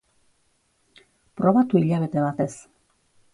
Probatu hilabete batez.